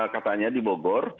katanya di bogor